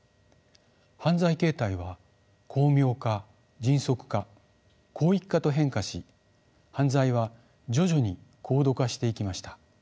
犯罪形態は巧妙化・迅速化・広域化と変化し犯罪は徐々に高度化していきました。